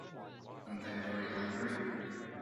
And they are very angry?